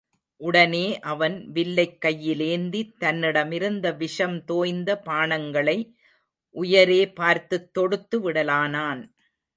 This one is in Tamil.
உடனே அவன், வில்லைக் கையிலேந்தி, தன்னிடமிருந்த விஷம் தோய்ந்த பாணங்களை உயரே பார்த்துத் தொடுத்து விடலானான்.